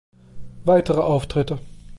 Weitere Auftritte